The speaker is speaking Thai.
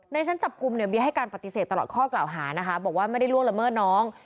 ชั้นจับกลุ่มเนี่ยเบียให้การปฏิเสธตลอดข้อกล่าวหานะคะบอกว่าไม่ได้ล่วงละเมิดน้อง